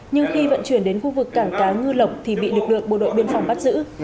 nhưng khi vận chuyển đến khu vực cảng cá ngư lộc thì bị lực lượng bộ đội biên phòng bắt giữ